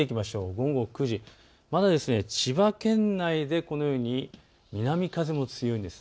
午後９時、まだ千葉県内でこのように南風も強いんです。